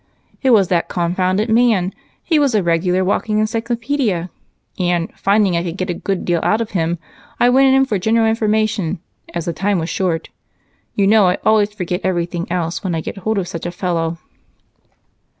"It was that confounded man! He was a regular walking encyclopedia, and, finding I could get a good deal out of him, I went in for general information, as the time was short. You know I always forget everything else when I get hold of such a fellow."